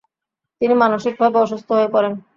তিনি মানসিকভাবে অসুস্থ হয়ে পড়েন।